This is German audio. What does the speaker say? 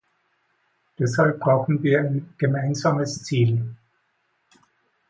Deshalb brauchen wir ein gemeinsames Ziel.